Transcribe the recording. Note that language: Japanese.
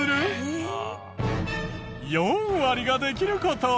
４割ができる事。